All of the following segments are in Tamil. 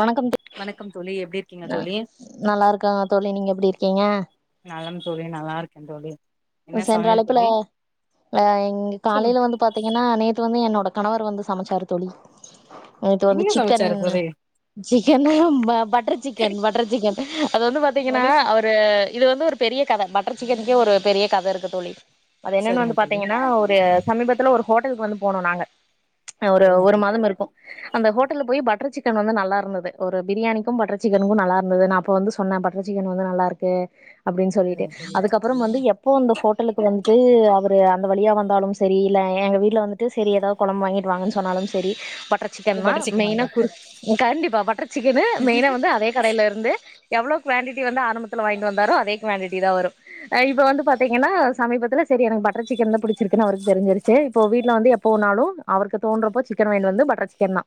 வணக்கம் வணக்கம் தோழி எப் ந நல்லாருக்கங்க தோழி நீங்க எப்டிருக்கீங்க நலம் தோழி நல்லா இருக்கே தோழி என்ன சென்ற சமையல் அழைப்புல தோழி அ எங்க சொல்லுங்க காலைல வந்து பாத்தீங்கன்னா நேத்து வந்து என்னோட கணவர் வந்து சமச்சாரு தோழி நேத்து வந்து என்ன சிக்கன் சமைச்சாரு தோழி சிக்கன்தா ப பட்டர் சிக்கன் பட்டர் சிக்கன் அது வந்து பாத்தீங்கன்னா பட்டர் சிக் அவரு இது வந்து ஒரு பெரிய கத பட்டர் சிக்கனுக்கே ஒரு பெரிய கத இருக்கு தோழி அது என்னன்னு சரிங்க வந்து தோழி பாத்தீங்கனா ஒரு சமீபத்துல ஒரு ஹோட் டல்க்கு வந்து போனோ நாங்க ஒரு சரிங்க ஒரு தோழி மாதமிருக்கு அந்த ஹோட்டல்ல போயி பட்டர் சிக் க்கன் வந்து நல்லா இருந்தது ஒரு பிரியாணிக்கு பட்டர் சிக்கனுக்கு நல்லா இருந்தது நா அப்ப வந்து சொன்ன பட்டர் சிக்கன் வந்து நல்லா இருக்கு அப்டின் சொல்லிட்டு சரிங்க தோழி அதுக்கப்பறம் வந்து எப் போ அந்த ஹோட்டலுக்கு வந்ட்டு அவரு அந்த வழியா வந்தாலு சரி இல்ல எங்க வீ வீட்ல வந்துட்டு செரி எதாவு கொலம்பு வாங்கிட்டு வாங்கன்ச் சொன்னாலும் செரி பட் பட்டர் அது சிக்கன்தா சிக்கன் மெயினா கு கண்டிப்பா பட்டர் சிக்கனு மெயினா வந்து அதே கடையிலருந்து எவ்வளோ குவான்டிட்டி வந்து ஆரம்பத்துல வாங்கிட்டு வந்தாரோ அதே குவான்டிட்டி தா வரு ஆ இப்ப வந்து பா த்தீங்கன்னா சமீபத்துல சேரி எனக்கு பட்டர் சிக்கன் தா புடிச்சிருக்குனு அவருக்கு தெரிஞ்சிருச்சு இப்போ வீட்டுல வந்து எப்போனாலும் அவருக்கு தோன்றப்போ சிக்கன் வாங்கிட்டு வந்து பட்டர் சிக்கன் தா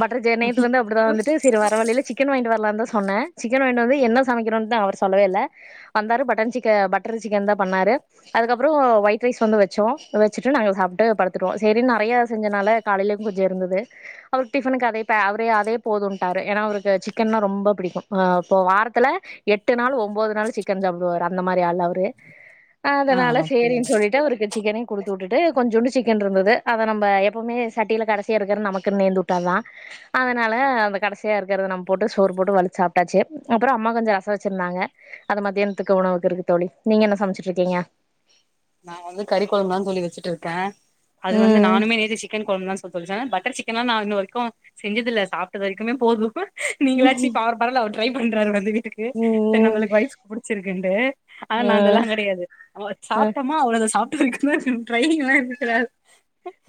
பட்டர் ஜெ நேத்து வந்து அப்டிதா வந்துட்டு செரி வர வழில சிக்கன் வாங்கிட்டு வரலான்தா சொன்னே சிக்கன் வாயங்கிடு வந்து என்ன சமைக்குறோன்டுதா அவர் சொல்லவே இல்ல வந்தாரு பட்டன் சிக்க பட்டர் சிக்கன் தா பண்ணாரு அதுக்கப்றோ ஒயிட் ரைஸ் வந்து வெச்சோ வெச்சிட்டு நாங்க சாப்ட்டு படுத்துடுவோ சேரின் நறையா செஞ்சனால காலைலயுங் கொஞ்ச இருந்துது அவரு டிஃபனுக்கு அதே அவரே அதே போதுன்ட்டாரு ஏனா அவுருக்கு சிக்கன்னா ரொம்ப பிடிக்கும் அ இப்போ வாரத்துல எட்டு நாள் ஒம்போது நாள் சிக்கன் சாப்புடுவாரு அந்த மாரி ஆள் அவரு ஆ அதனால அப்டிதா சேரின் சொல்லிட்டு அவுருக்கு சிக்கனே குடுத்து உட்டுட்டு கொஞ்சோண்டு சிக்கன்ருந்தது அத நம்ப எப்புமே சட்டில கடைசியா இருக்கிறது நமக்கு நேந்து உட்டாத்தா அதனால அந்த கடைசியா இருக்கறத நம்ம போட்டு சோறு போட்டு வலிச் சாப்டாச்சி அப்புறோ அம்மா கொஞ்ச ரச வச்சிருந்தாங்க அத மத்தியானத்துக்கு உணவுக்கு இருக்கு தோழி நீங்க என்ன சமச்சிட்ருக்கீங்க நா வந்து கறி கொழம்புதா தோழி வச்சிட்டிருக்க அது வந்து ம் நானுமே நேத்து சிக்கன் கொழம்பு தா சொல் தோழி [unintelligible] பட்டர் சிக்கன்ல்லா நா இன்னு வரைக்கு செஞ்சதில்ல சாப்ட்ட வரைக்குமே போது நீங்களாச்சி ம் ப பரவால்ல ட்ரை பண்றாத நந்தினி கு சரி ம் நம்மளுக்கு வைஃப்க்கு புடிச்சிருக்குன்டு ஆனா நா அதெல்லா ம் கெடயாது அஹ் ம் சாப் அவ்ளோதா சாப்ட்ட வரைக்குந்தா [unintelligible] ட்ரையிங்கல்லா எனக்கு கெடையாது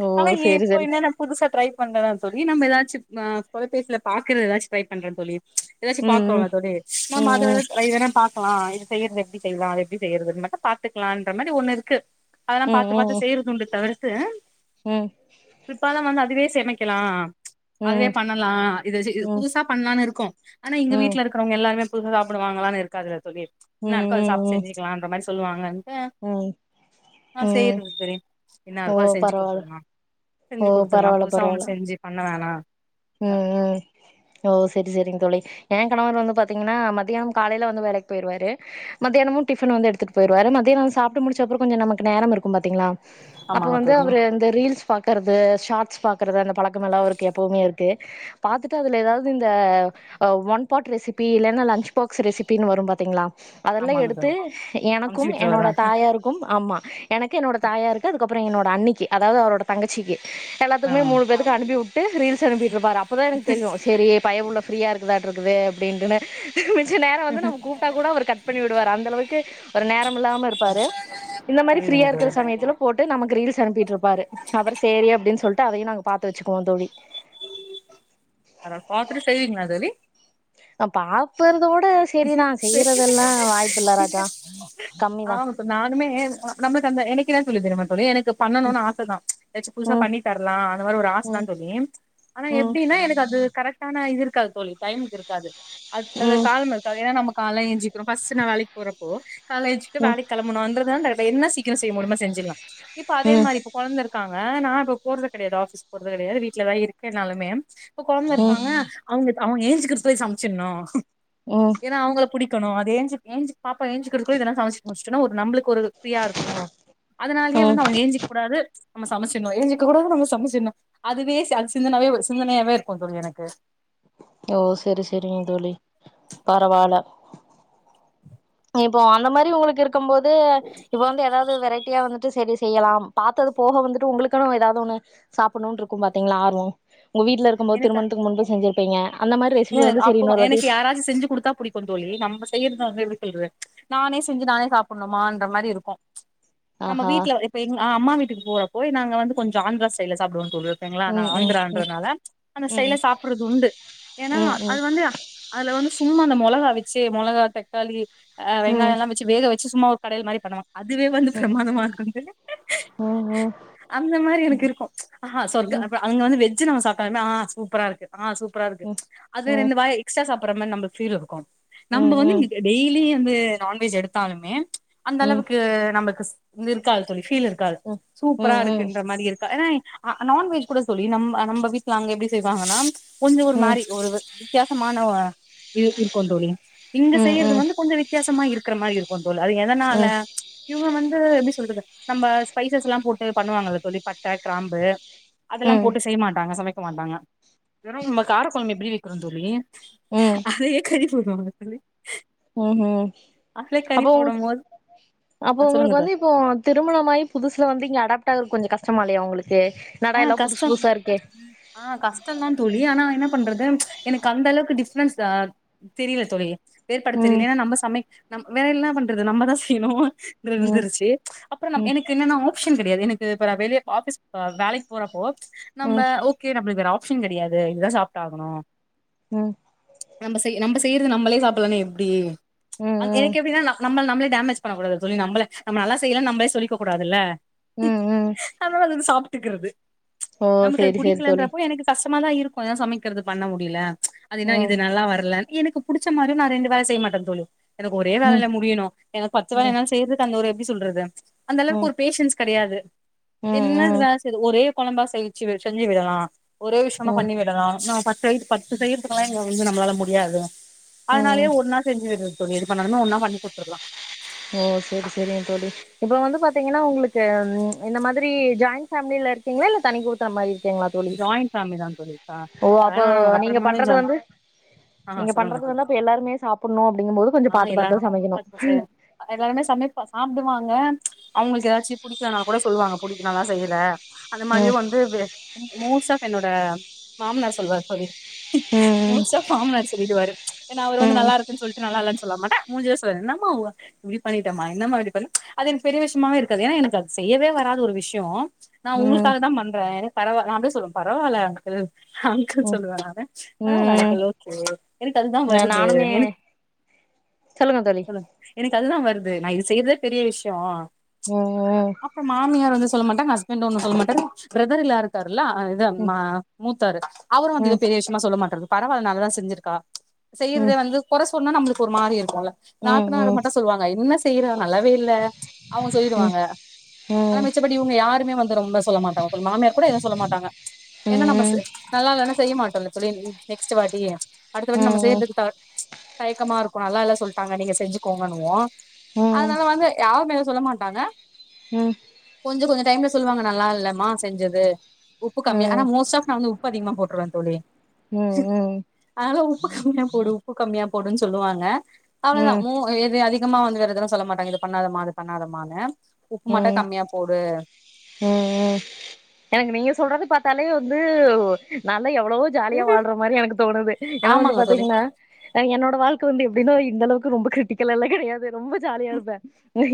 ஓ ஆனா எ சேரி இப்ப சேரி என்னன்ன புதுசா ட்ரை பண்ற தோழி நம்ப யேதாச்சி அஹ் தொலைபேசில பாக்கற எதாச்சி ட்ரை பண்ற தோழி யேதாச்சும் பாக்றோல்ல ம் தோழி ம் நம்ம அத ம் வேணா ட்ரை வேணா பாக் கலா இது செய்றது எப்டி செய்லா அது எப்டி செய்றதுனு மட்டும் பாத்துக்கலான் அது மாரி ஒண்ணு இருக்கு அதெல்லா ம் பாத்து பாத்து ம் செய்யறதுவுண்டு தவர து ம் பிற்பாலம் வந்து அதுவே செமைக்கலா அதுவே ம் பண்ணலா இது வச்சி ம் இது ம் புதுசா பண்லான்னு இருக்கோ ஆனா இங்க ம் வீட்லருக்குறவங்க எல்லாருமே புதுசா சாப்புடுவாங்களான்னு இருக்காதுல்ல தோழி ம் இன்னருக்கோ அத சாப்ட்டு ம் செஞ்சக்லான்ற மாரி சொல்வாங்க ம் ஆ ம் செய்றது தோழி என்ன ஓ இருக்கோ அத செஞ்சு பரவால்ல குடுத்துர்லா ஓ செஞ்சு குடுத்துர்லா பரவால்ல புதுசா பரவால்ல ஒன்னு செஞ்சு பண்ண வேணா ம் ம் ஓ செரி செரிங் தோழி ஏ கணவர் வந்து பாத்தீங்கன்னா மத்தியான காலைல வந்து வேலைக் போயிருவாரு மத்யானமும் டிபன் வந்து யெடுத்துட்டு போய்ருவரு மத்யான சாப்ட்டு முடிச்ச அப்ற நமக்கு கொஞ்ச நமக்கு நேரமிருக்கும் பாத் திங்ளா அப்ப ஆமாங்க வந்து தோழி அவ்ரு அந்த ரீல்ஸ் பாக்றது ஷார்ட்ஸ் பாக்றது அந்த பழக்கமெல்லா அவர்க்கு எப்பவுமே இருக் பாத்துட்டு அதுல எதாவ்து இந்த ஒன் பாட் ரெசிபி இல்லேனா லன்ச் பாக்ஸ் ரெசிபின்னு வரும் பாத்தீங்ளா அதல்லா ஆமாங்க எடுத்து தோழி அமுச்சு எனக்கும் என்னோட விட்டுருவாரா தாயாருக்கும் ஆமா எனக்கு என்னோட தாயாருக்கு அதுக்கப் அப்பற என்னோட அன்னிக்கு அதாவ்து அவரோட தங்கச்சிக்கி ஆ எல்லாத்துக்குமே மூணு பேதுக்கு அனுப்பி உட்டு ரீல் அனுப்பிட்ருப்பாரு அப்பதா எனக்கு தெரியு செரி பயபுள்ள ஃப்ரீயா இருக்குதாட்ருக் குது அப்டின்ட்டுனு மிச்ச நேர வந்து நம்ம கூப்ட்டா கூட அவர் கட் பண்ணி விடுவாரு அந்த அளவுக்கு ஒரு நேரமில்லாம இருப்பாரு இந்த மாரி புரியுதுங்க ஃப்ரீயா தோழி இருக்கிற சமயத்துல போட்டு நமக்கு ரீல்ஸ் அனுப்பிட்ருப்பாரு அப்ற சேரி அப்டின்னு சொல் ட்டு அதையு நாங்க பாத்து வெச்சுக்குவோ தோழி அத பாத்துட்டு செய்விங்ளா தோழி பாக்கறதோ ராஜா ஆ கம்மிதா இப்ப நானுமே நமக்கு அந்த எனக் கென்ன தெரிமா தோழி எனக் கு பண்ணணுனு ஆசதா எதாச்சி புதுசா ம் பண்ணி தரலா அந்த மாரி ஒரு ஆசதா ம் தோழி ஆனா ம் எப்டினா எனக்கு அது கரெக்டான இது இருக்காது தோழி டைம்க்கு இருக்காது அது அது ம் ம் கால் ம நம்ம காலைல எஞ்சிக்குரோ ஃபஸ்ட்டு நா வேலைக்கு போறப்போ கால்ல ஏஞ்சிட்டு வேலை கெளம்பணுன்றதா என்ன சீக்கிர செய்ய முடியுமோ செஞ்சிர்லா இப்ப அதே ம் மாரி இப்ப கொழந்த இருக் காங்க நா இப்ப போறது கெடையாது ஆஃபீஸ் போறது கெடையாது வீட்லதா இருக்கேனாலுமே இப்ப கொழந்த ம் இருக்காங்க அவங்க அவுங்க ஏஞ்சுக்கிறதுக்குல்லே சமைச்சிர்ணு ம் ஏன்னா அவங்கள புடிக் கணு அது ஏஞ்சி ஏஞ்சி பாப்பா ஏஞ்சிக்குறகுள்ள இதலா சமைச்சி முடிச்சிட்டனா ஒரு நம்புளுக்கு ஒரு ஃப்ரீயாருக்கு அதனாலயே ம் வந்து அவங்க ஏஞ்சிக்கூடாது நம்ம சமைச்சிணு ஏஞ்சிக்கக்கூடாது நம்ம சமைச்சிணு அதுவே ச சிந்தனாவே ஒரு சிந்தனையாவே இருக்கு தோழி எனக்கு ஓ செரி செரிங்க தோழி பரவால இப்போ அந்த மாரி உங்களுக்கு இருக் இருக்கும் போது இப்ப வந்து எதாவது வெரைட்டியா வந்துட்டு செரி செய்யலாம் பாத்தது போக வந்துட்டு உங்களுக்குன்னு எதாவது ஒன்னு சாப்புட்ணுன்னு இருக்கு பாத்தீங்களா ஆர்வம் உங்க வீட்ல இருக்கும் போது திருமணத்துக்கு முன்பு செஞ்சிருப் ப்பிங்க ஏ அப்போவா எனக்கு யாராச்சு செஞ்சு குடுத்தா புடிக்கும் தோழி நம்ப செய்யறது வந்து எப்டி [unintelligible] நானே செஞ்சு நானே சாப்புட்ணு மான்ற மாரி இருக்கு நம்ம ஆஹா வீட்ல இப்ப எங் அம்மா வீட்டுக்கு போற போய் நாங்க வந்து கொஞ்சோ ஆந்திரா ஸ்டைல்ல சாப்டுவோ தோழி ஓகேங்களா நா ம் ம் ம் ஆந்திரன்றதுனால அந்த ம் ஸ்டைல்ல சாப்புட்றது உண்டு ஏன்னா ம் அது வந்து அதுல வந்து சும்மா நம்மோ மெளகா வச்சு மொளகா தக்காளி ஆ ம் ம் வெங்காயல்லா வச்சி வேகவச்சி சும்மா கடையல் மாரி பண்ணுவ அதுவே வந்து பிரமாதமா இருக்குன்ட்டு ம் அந்த மாரி எனக்கு இருக்கு ஆஹ சொர்க்க ம் ம் அப்ற அவங்க வந்து வெஜ் சின்னவ சாப்ட்டாலுமே ஆ ஆ சூப்பரா இருக்கு ஆ சூப்பரா இருக்கு அது ம் ம் ரென்டு வாய் எக்ஸ்ட்ரா சாப் பர்ற மாரி நம்மளுக்கு ஃபீல் இருக்கு நம்ம ம் வந்து ம் இன்னைக் டெய்லி வந்து நான்வெஜ் எடுத் தாலுமே ம் அந்தளவுக்கு நமக்கு இது இருக்காது தோழி ஃபீல் இருக்காது ம் சூப்பரா ம் ம் ம் ம் இருக்குன்ற மாரி இருக்கா ஏனா அ நான்வெஜ் கூட தோழி நம்ப நம்ப வீட்ல அங்க எப்படி செய்வாங்கன்னா கொஞ்ச ஒரு மாரி ஒரு வித்தியாசமான ஆ இ இருக்குந் தோழி இங்க செய்யறது ம் வந்து கொஞ்ச வித்தியாசமா இருக் கற மாரி இருக்கு தோல் அது எதனால இவங்க வந்து அ எப்டி சொல்றது நம்ம ஸ்பைசஸ் எல்லா போட்டு பண்ணுவாங்கல்ல தோழி பட்ட கிராம்பு அதெல்லா ம் ம் ம் போட்டு செய்ய மாட்டாங்க சமை க்க மாட்டாங்க வெறு நம்ம கார கொழம்பு எப்படி வெக்கிறோ தோழி அதே கறி [unintelligible] ம் அதுல கறி அப்போ போடும் போது அப்ப ஆ சொல்லுங்க உங்களுக்கு தோ வந்து இப்போ திருமணமாயி புதுசுல வந்து இங்க அடாப்ட் ஆகறக்கு கொஞ்ச கஷ் டமா இல்லையா உங்களுக்கு ஆ என்னடா எல்லா புதுசு கஷ்டம் புதுசா இருக்கே ஆ கஷ்டந்தா தோழி ஆனா என்ன பண்றது எனக்கு அந்தளவுக்கு டிஃப்ரென்ஸ் ஆ தெரியில தோழி ஏற்படுத்த தெரியில ம் இல்லன்னா நம்ம சமைக் நம் வேற என்னா பண்றது நம்மதா செய்ணு ம் இருந்துருச்சி அப்புற நா ம் எனக்கு என்னன்னா ஆப்ஷன் கெடையாது எனக் இப்ப நா வெளிய ஆபிஸ் வேலைக் போறப்போ நம்ப ம் ஓகே நம்ளுக் வேற ஆப் ப்ஷன் கெடையாது இது தா சாப்ட்டாகணு ம் நம்ப செய் நம்ப செய்யறது நம்பளே சாப்பிட்லனா எப்டி ஆ ம் ம் எனக்கு எப்டினா ந நம்மள் நம்ளே டேமேஜ் பண்ணக் கூடாது சொல்லி நம்பளே நம்ம நல்லா செய்யலன்னு நம்பளே சொல்லிக்க கூடாதுல்ல ம் ம் அதனால அத சாப் ட்டுக்கிறது ஓ நமக்கு அது சேரி சேரி தோழி புடிக்கலன்றப்போ எனக்கு கஷ் ட்டமாதா இருக்கு ஏ சமைக்கிறது பண்ண முடியில அது என்னா ம் இது நல்லா வர்ல எனக்கு புடிச்ச மாரி நா ரெண்டு வேல செய்ய மாட்ட தோழி எனக்கு ஒரே ம் வேலைல முடியணு எனக்கு பத்து வேல ம் ம் என்னால செய்றதுக்கு அந்த ஒரு எப்டி சொல்றது அந்த அளவுக்கு ம் ஒரு பேஷன்ஸ்க் கெடையாது என்ன ம் வேல செய்றது ஒரே கொழம்பா செஞ்ச்சு வச்சிற்னு இல்லயா ஒரே விஷ்யமா ம் பண்ணி விடலா நா பத்து பத்து செய்யறத்துக்காக எங்க நம்ளால முடி யாது ம் அதனாலே ஒன்னா செஞ்சு விட்றது கொஞ்ச இது பண்ணம்னா ஒன்னா பண்ணி குட்த்துருக்கலா ஓ சேரி சேரிங்க தோழி இப்ப வந்து பாத்தீங்கனா உங்ளுக்கு உம் இந்த மாதிரி ஜாயிண்ட் ஃபேம்லில இருக்கீங்ளா இல்ல தனி குடுத்தன மாரி இரு கீங்ளா தோழி ஜாயிண்ட் ஃபேமிலி தா தோழி ஆ ஓ அப்போ கல்யாண ஆனதுக்கு நீங்க அப்புறமாவே பண்றத ஜாயின் வந்து ஆ நீங்க சொல்லுங்க பண்றத தோழி வந்து அப்ப எல்லாருமே சாப்புட்னு அப்டிங்கும் போது கொஞ்ச பாத்து பாத்துதா சமைக்கணு அஹ் எல்லாருமே சமைப்பா சாப்டுவாங்க அவ்ங்களுக்கு எதாச்சு புடிக்கலனா கூட சொல்லுவாங்க புடிக்கலனா செய்யிறா அந்த மாரியே ம் வந்து வெ உம் மோஸ்ட் ஆஃப் என்னோட மாம்னார் சொல்வார் தோழி ம் மோஸ்ட் ஆஃப் மாம்னார் சொல்லிடுவாரு ஏனா அவரு ம் வந்து ம் நல்லா இருக்குன் சொல்ட்டு நல்லால்லன் சொ சொல்லமாட்ட மூஞ்சியே சொன்ன மாரிதா என்ன பண்ணிட்ட மா என்னமா இப்டி பண்ணு அது எனக்கு பெரிய விஷ்யமாவே இருக்காது ஏனா எனக்கு அது செய்யவே வராத ஒரு விஷ்யோ நா ம் உங்ளுக்காக தா பண்றே பரவா நா அப்டிதா சொல்லுவே பரவால்ல அங்கிள் அங்கிள் ம் சொல்லுவ நானு அஹ் ம் நானாத ஓகே எனக்கு அதுதா ம் வருது நானுமே எனக் சொல்லுங்க எனக்கு அதுதா வருது நா இது செய்யற்தே பெரிய விஷ்யோ ம் அப்போ மாமியா வந்து சொல்ல மாட் டங்க ஹஸ்பண்ட் ஒண்ணோ சொல்ல மாட்டாரு பிரதர் இல்லாரு துல்ல ஆ இத ம ம் மூத்தாரு அவரும் வந்து இத ம் பெரிய விஷயமா சொல்ல மாட்டுரது பரவால்ல நல்லா செஞ்சிருக்கா செய்யுறுதே ம் வந்து கொற ஸ் சொன்னா நம்முளுக்கு ஒரு மாரி இருக்குல்ல ம் ம் நாத்தனாரு ம் மட்டு சொல்வாங்க என்ன ஸ் தீரா நல்லாவே இல்ல அவுங்க ம் ம் சொல்லிடுவாங்க ஆனா ம் ம் மிச்சப்படி இவுங்க யாருமே வந்து ரொம்ப சொல்ல மாட்டாங்க உங்களுக்கு மாமியார் எதும் சொல்ல மாட்டாங்க ஏன்னா நம்ம ஸ் ம் ம் ம் நல்லால்லனா செய்ய மாட்டோல்ல தோ வென் நெக்ஸ்ட்டு வாட்டி அடுத்த வாட்டி நம்ம செய்றதுக்கு த தயக்கமாருக்கும் நல்லா இல்ல ஸ் சொல்ட்டாங்க நீங்க செஞ்சுக்கோங்கன்னுவோ அதனால வந்து யாருமே எதும் சொல்ல மாட்டாங்க கொஞ்ச கொஞ்ச டைம்ல சொல்லுவாங்க நல்லா இல்லமா செஞ்சது து உப்பு கம்மியா ஆனா மோஸ்ட் ஆஃப் நா வந்து உப்பு அதிகமா போட்ருவே தோழி ம் அதனால உப்பு கம்மியா போடு உப்பு கம்மியா அ போடுன் சொல்லுவாங்க ம் அவ்ளதா ம் மு எது அதிக எங்கம்மா வந்து வேறெதுலா சொல்ல மாட்டாங்க இது பண்ணாதமா அது பண்ணாதமான்னு உப்பு மட்டூ ம் கம்மியா போடு எனக்கு நீங்க சொல்றது பாத்தாலே வந்து நா லாம் எவ்ளவோ ஜாலியா வாழ்ற மாரி எனக்கு தோணுது ஏனா வந்து ஆமாங்க தோழி பாத்தீங்கன்னா அ என்னோட வாழ்க்கை வந்து எப்டினா அந்தளவுக்கு ரொம்ப கிரிட்டிக்கலாலா கெடையாது ரொம்ப ஜாலியாருப்பே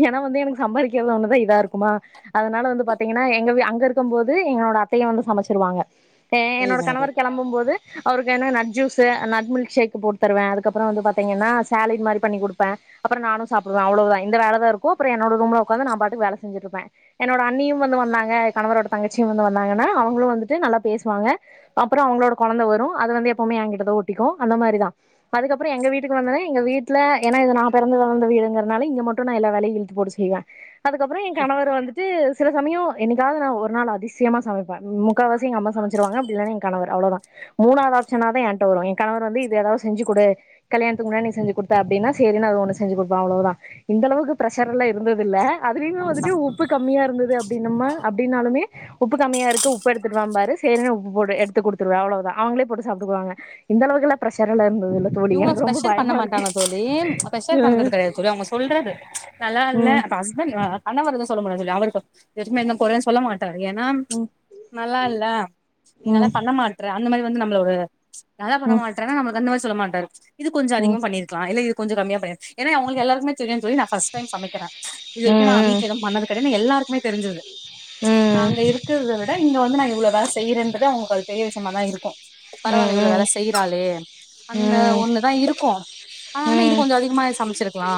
ஏனா வந்து எனக்கு சம்பாரிக் க்றது ஒன்னுதா இதா இருக்குமா அதனால வந்து பாத்தீங்கனா எங்க வெ அங்க இருக்கும் போது என்னோட அத்தையே வந்து சமச்சிருவாங்க இப்ப என்னோட புரியுதுங்க கணவர் தோழி கெளம்பும் போது அவருக்கு என்ன நட் ஜூஸு நட் மில்க்ஷேக்கு போட்டு தருவே அதுக்கப்ற வந்து பாத்தீங்கனா சேலடு மாரி பண்ணி குடுப்பே அப்பற நானு சாப்டுவே அவ்ளோதா இந்த வேலதா இருக்கு அப்ற என்னோட ரூம்ல உக்காந்து நா பாட்டுக்கு வேல செஞ்சிட்ருப்பே என்னோட அண்ணியு வந்து வந்தாங்க கணவரோட தங்கச்சியு வந்து வாந்தாங்கனா அவுங்களு வந்துட்டு நல்லா பேசுவாங்க அப்பற அவுங்களோட கொழந்த வரு அது வந்து எப்போமே எங்கிட்ட தா ஒட்டிக்கு அந்த மாரி தா அதுக்கப்பற எங்க வீட்டுக்கு வந்தது எங்க வீட்ல ஏனா இது நா பொறந்து வளந்த ஊருங்கரனால இங்க மட்டு நா எல்லா வேலையு இழுத்து போட்டு செய்வே அதுக்கப்ற எ கணவர் வந்துட்டு சில சமயம் என்னைக்காவது நான் ஒரு நாள் அதிசயமா சமைப்பேன் முக்கால்வாசி எங்க அம்மா சமைச்சிருவாங்க அப்படில்லன்னா என் கணவர் அவ்ளோதான் மூணாவது ஆப்ஷனா தான் ஏன்ட்ட வரும் என் கணவர் வந்து இது ஏதாவது செஞ்சு குடு கல்யாணத்துக்கு முன்னாடி நீ செஞ்சு குடுத்த அப்டின்னா சேரினு அது ஒன்னு செஞ்சு குடுப்பேன் அவ்ளோதான் இந்த அளக்கு பிரஷரெல்லா இருந்ததில் தில்ல அதுலயுமே நமசா வந்துட்டு உப்பு கம்மியா இருந்தது அப்படின்னம்ம அப்படின்னாலுமே உப்பு கம்மியா இருக்கு உப்பு எடுத்துட்டு வாம்பாரு சேரினு உப்பு போடுவேன் எடுத்துடுக் குடுத்துருவேன் அவ்ளோ தான் அவுங்களே சாப்டுக்குவாங்க இந்த அளவுக்குலாம் ப்ரஷரலா இருந்ததில் இவுங்க ஸ்பெஷர் பண்ண மாட்டாங்க தோழி ஸ்பெஷர் பண்றது ம் கிடையாது தோழி அவுங்க சொல்றது நல்லா இல்ல ம் என்னங்க கணவர் எது சொல்ல மாட்டாரு தோழி அவரு எதுமே என்ன கொறனு சொல்ல மாட்டாரு டாரு ஏனா ம் நல்லா இல்ல நீ ம் நல்லா ம் பண்ண மாட்ற அந்த மாரி வந்து நம்மளோடய நல்லா பண்ண ம் மாட்றனா நமக்கு என்ன யூஸ் சொல்ல மா [unintelligible] இது கொஞ்ஜசோ ம் அதிகமா பண்ணிருக்கலாம் இல்ல கொஞ்ஜசோ கம்மியா பண்ண ஏனா அவுங்குளுக்கு எல்லாருக்கும் தெரியும் நா ஃபர்ஸ்ட் டைம் சமைக்கிறே இதுவரைக்கும் நா வீட்ல இதெல்லா பண்ணது கெடையாது எல்லாருக்குமே தெரிஞ்சது ம் நாங்க ம் அங்க இருக்குறத விட. இங்க வந்து இவ்ளோ வேல செய்யுறேன்றது அவுங்குளுக்கு பெரிய விஷயமா தா இருக்கூ ம் பரவால இவ்ளோ வேல ம் செய்றாளே அந்த ம் ஒண்ணு தான் இருக்கு ஆனாலுமே இது ம் கொஞ்ஜசோ அதிகமாவே சமைச்சிருக்கலா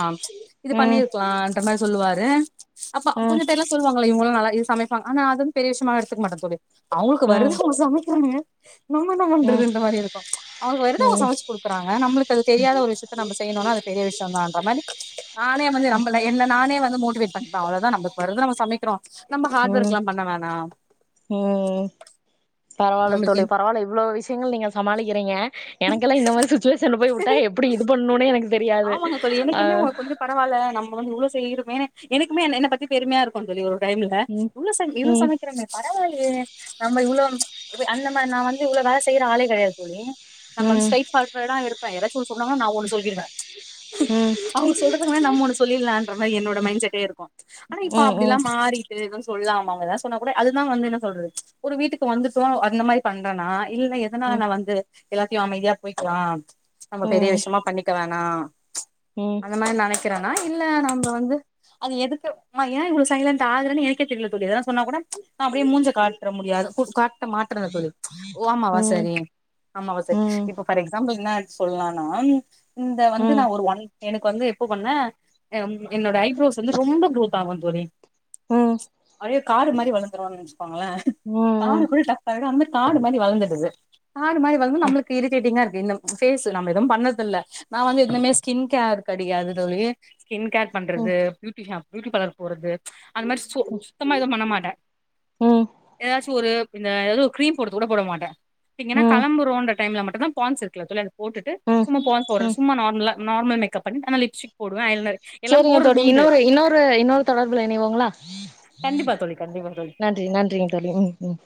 இது ம் பண்ணிருக்கலான்ற மாரி சொல்லுவாரு அப்ப ம் கொஞ்சோ பேரல்லா சொல்லுவாங்க இவுங்களும் நல்லாவே சமைப்பாங்க ஆனா அது ஒண்ணு பெரிய விஷயமா‌ எடுத்துக்க மாட்டாங்க தோழி அவுங்களுக்கு ம் வர்றது குள்ள‌ சமைக்கனுங்க சரி [inaudible] நம்ம என்ன பன்றது இந்த மாரி இருக்கூ அவுங்களுக்கு வருத அவுங்க ம் சமைச்ச க்குறாங்க நம்முளுக்கு அது தெரியாத ஒரு விஷயத்த நம்ம செய்யனுனா அது பெரிய விஷயோ தா மாரி நானே வந்து நம்பல நானே வந்து மோட்டிவேட் பண்ணிப்ப அவ்ளோ தான் நமக்கு வரத நம்ம சமைக்கிறோ நம்ம ஹார்ட் ம் ஒர்க் ம் லாம் பண்ண வேணா பரவால நம்மளுக்கு தோழி பரவால இ்வ்ளோ விஷயங்கள் நீங்க சமாளிக்கிறீங்க எனக்கெல்லாம் இந்த மாரி சுச்சுவேஷன்ல போய் விட்டா எப்டி இது பண்ணணுனே எனக்கு தெரியாது ஆமாங்க தோழி அ என்னைக்குமே உங்க கொஞ்சோ பரவால நம்ப வந்து இவ்ளோ செய்றோ என்னைக்குமே என்ன பத்தி பெருமையா இருக்கூ தோழி ஒரு டைம்ல ம் இவ்ளோ சம இவ்ளோ ம் சமைக்கிறோமே பரவாலயே நம்ம இவ்வளோ அந்த மாரி நா வந்து இவ்ளோ வேல செய்யுற ஆளே கெடையாது தோழி நம்ம ம் ஸ்ரைட்ஃபார்வட் ஆ இருக் ப [unintelligible] சொன்னாங்கனா நா ஒண்ணு சொல்லிருவே ம் அவுங்க சொல்றதுக்கு முன்னாடி நம்ம ஒன்னு சொல்லிடலாம்ன்ற மாரி என்னோட மைண்ட் செட்டே இருக்கும் ஆனா இப்ப அப்டி ம் எல்லாம் மாறிட்டு எதுவும் சொல்லாம அவுங்க எதாவது சொன்னா கூட அது தான் வந்து என்ன சொல்றது ஒரு வீட்டுக்கு வந்துட்டோ அநத மாரி பண்றனா இல்ல ம் எதனால வந்து எல்லாத்தையும் அமைதியா போய்க்கலா நம்ம ம் ம் பெரிய விஷயமா பண்ணிக்க வே ஆ ம் அந்த மாரி நெனைக்கிறனா இல்ல நம்ம வந்து அது எதுக்கு மா ஏ இவள சைலண்ட் ஆகுறன்னு எனக்கே தெரில தோழி இதெலா சொன்னா கூட நா அப்டியே மூஞ்ச காட்ற முடியாது காட்ட மாற்ற தோழி ஓ ஆமாவா ம் சரி ஆமாவா சரி ம் இப்ப ஃபார் எக்ஸாம்பிள் என்ன சொல்லானா ம் நா வந்து ஒரு ஒன் எனக்கு வந்து எப்போ பண்ண என்னோட ஐப்ரோஸ் வந்து ரொம்ப குரோத் ஆகு தோழி ம் அப்டியே காடு மாரி வளந்துரு வெச்சுக்கோங்களே ம் காடு கூட கட் ஆயிடு அந்த மாரி காடு மாரி வளந்துடுது காடு மாரி வளந்தா நம்மளுக்கு இரிட்டேட்டிங்கா இரு இந்த ஃபேஸு நம்ம எதுவு பண்ணதில்ல நா வந்து இன்னமே ஸ்கின் கேர் கெடையாது தோழி ஸ்கின் கேர் பண்றது பியூட்டி பியூட்டி பார்லர்க் போறது அது மாரி சு சுத்தமா எதுவு பண்ண மாட்ட ம் ஏதாச்சி ஒரு எதோ கிரீம் போடறது கூட போட மாட்ட த்திங்கனா ம் கெளம்பறோன்ற டைம்ல மட்டுந்தா பான்ட்ஸ் இருக்குல தோழி அது போட்டுட்டு ம் சும்மா பான்ட்ஸ் பவ்டர் ம் சும்மா நார் நார்மல் மேக்கப் பண்ணி ஆனா லிப்ஸ்டிக் போடுவ ஐ லனர் சேரிங்க தோழி இன்னொரு இன்னொரு இன்னொரு தொடர்புல இணைவோங்ளா கண்டிப்பா தோழி கண்டிப்பா தோழி நன்றி நன்றிங்க தோழி ம் ம்